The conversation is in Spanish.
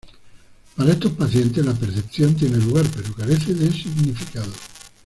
Para estos pacientes, la percepción tiene lugar, pero carece de significado.